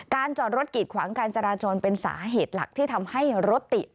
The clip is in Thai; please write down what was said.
จอดรถกีดขวางการจราจรเป็นสาเหตุหลักที่ทำให้รถติด